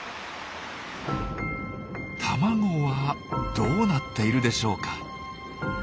卵はどうなっているでしょうか？